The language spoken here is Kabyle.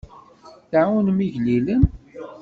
Tɛawnem igellilen.